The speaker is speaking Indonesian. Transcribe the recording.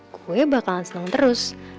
gue bakalan seneng terus